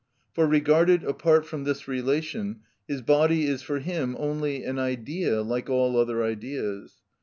For regarded apart from this relation, his body is for him only an idea like all other ideas.